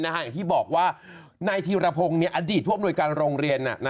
อย่างที่บอกว่าในทีลพงศ์นี้อดีตพ่อบร่วยการโรงเรียนน่ะ